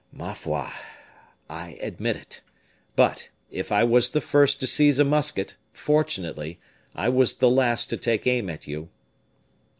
"Ma foi! I admit it; but, if I was the first to seize a musket, fortunately, I was the last to take aim at you."